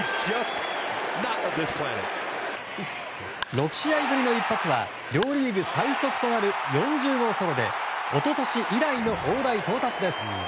６試合ぶりの一発は両リーグ最速となる４０号ソロで一昨年以来の大台到達です。